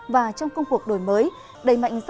và trong công cuộc đổi miệng